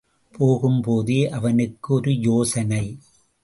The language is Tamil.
போகும்போதே அவனுக்கு ஒரு யோசனை.